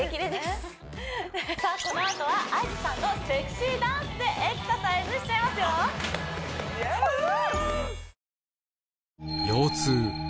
このあとはＩＧさんとセクシーダンスでエクササイズしちゃいますよイエースフー！